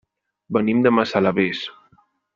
Venim de Massalavés.